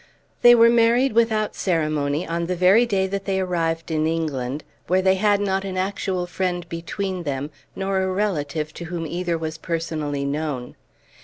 They were married without ceremony on the very day that they arrived in England, where they had not an actual friend between them, nor a relative to whom either was personally known.